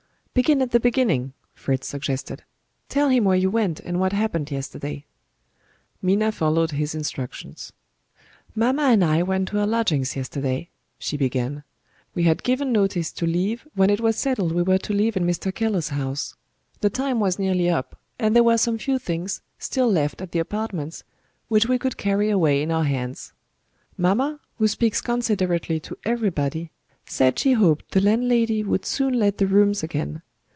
"Begin at the beginning," Fritz suggested; "tell him where you went, and what happened yesterday." Minna followed her instructions. "Mamma and I went to our lodgings yesterday," she began. "We had given notice to leave when it was settled we were to live in Mr. Keller's house. The time was nearly up; and there were some few things still left at the apartments, which we could carry away in our hands. Mamma, who speaks considerately to everybody, said she hoped the landlady would soon let the rooms again.